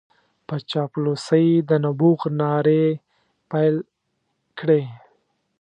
په چاپلوسۍ د نبوغ نارې پېل کړې.